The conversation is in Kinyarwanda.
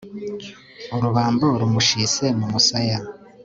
urubambo rumushise mu musaya